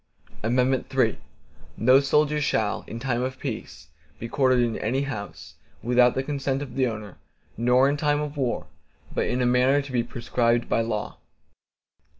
III No soldier shall, in time of peace be quartered in any house, without the consent of the owner, nor in time of war, but in a manner to be prescribed by law.